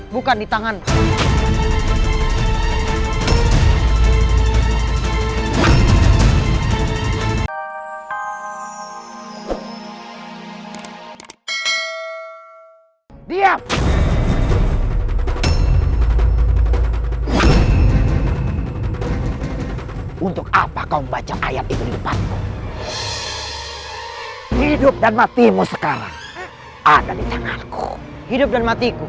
bukan di tangan